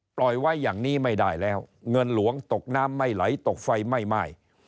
ปล่อยไว้อย่างนี้ไม่ได้แล้วเงินหลวงตกน้ำไม่ไหลตกไฟไม่ไหม้